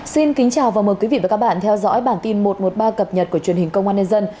xin kính chào và mời quý vị và các bạn theo dõi bản tin một trăm một mươi ba cập nhật của truyền hình công an nhân dân